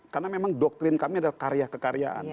karena memang doktrin kami adalah karya kekaryaan